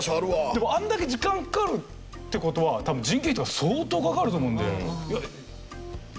でもあんだけ時間かかるって事は多分人件費とか相当かかると思うんで。